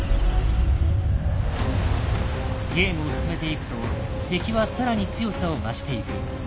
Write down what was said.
ゲームを進めていくと敵は更に強さを増していく。